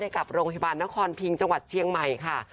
กับโรงพยาบาลนครพิงจังหวัดเชียงใหม่ค่ะ